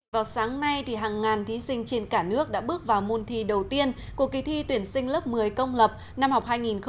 vào sáng nay hàng ngàn thí sinh trên cả nước đã bước vào môn thi đầu tiên của kỳ thi tuyển sinh lớp một mươi công lập năm học hai nghìn hai mươi hai nghìn hai mươi